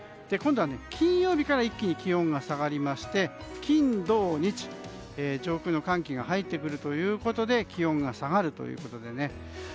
今度は金曜日から一気に気温が下がりまして金土日、上空の寒気が入ってくるということで気温が下がるということでね。